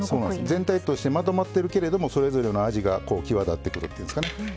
全体としてまとまってるけれどもそれぞれの味が際立ってくるっていうんですかね。